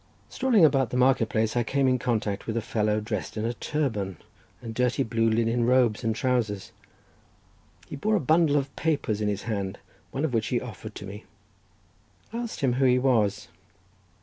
Strolling about the market place, I came in contact with a fellow dressed in a turban and dirty blue linen robes and trowsers. He bore a bundle of papers in his hand, one of which he offered to me. I asked him who he was.